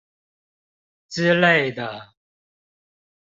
之類的！